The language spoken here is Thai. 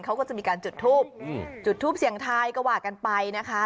เขาก็จะมีการจุดทูบจุดทูปเสียงทายก็ว่ากันไปนะคะ